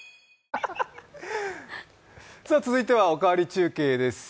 続いては、「おかわり中継」です。